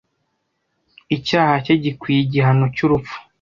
Icyaha cye gikwiye igihano cyurupfu.